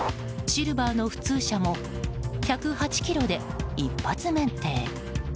シルバーの普通車も１０８キロで一発免停。